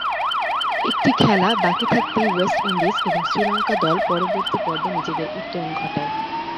একটি খেলা বাকী থাকতেই ওয়েস্ট ইন্ডিজ এবং শ্রীলঙ্কা দল পরবর্তী পর্বে নিজেদের উত্তরণ ঘটায়।